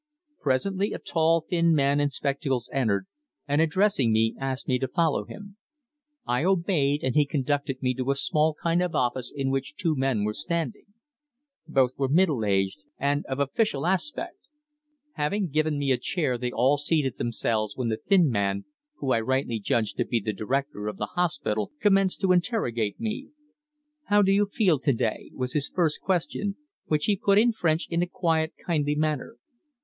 Presently a tall thin man in spectacles entered, and addressing me, asked me to follow him. I obeyed, and he conducted me to a small kind of office in which two men were standing. Both were middle aged, and of official aspect. Having given me a chair they all seated themselves when the thin man who I rightly judged to be the director of the hospital commenced to interrogate me. "How do you feel to day?" was his first question, which he put in French in a quiet, kindly manner.